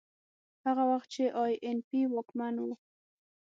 هغه وخت چې اي این پي واکمن و.